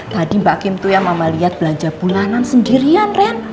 tadi mbak kim tuh ya mama lihat belanja bulanan sendirian ren